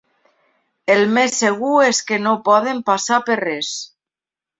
El més segur és que no poden passar per res.